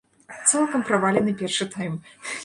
Цалкам правалены першы тайм.